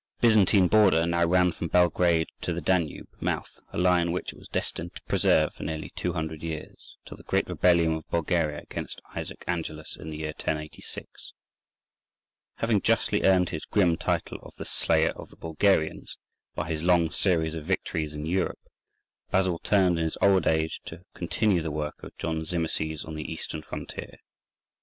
The Byzantine border now ran from Belgrade to the Danube mouth, a line which it was destined to preserve for nearly two hundred years, till the great rebellion of Bulgaria against Isaac Angelus in the year 1086. Having justly earned his grim title of "the Slayer of the Bulgarians" by his long series of victories in Europe, Basil turned in his old age to continue the work of John Zimisces on the Eastern frontier.